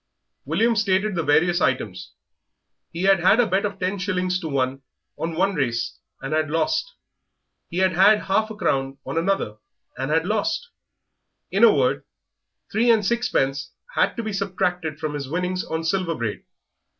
William stated the various items. He had had a bet of ten shillings to one on one race and had lost; he had had half a crown on another and had lost; in a word, three and sixpence had to be subtracted from his winnings on Silver Braid.